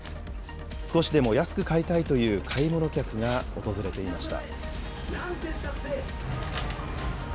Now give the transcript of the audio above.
少しでも安く買いたいという買い物客が訪れていました。